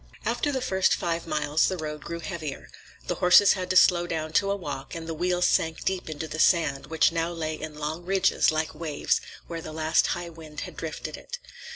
After the first five miles the road grew heavier. The horses had to slow down to a walk and the wheels sank deep into the sand, which now lay in long ridges, like waves, where the last high wind had drifted it.